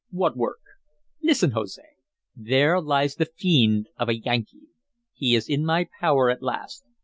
"What work?" "Listen, Jose. There lies the fiend of a Yankee. He is in my power at last.